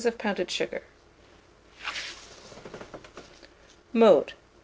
of pounded sugar. Mode.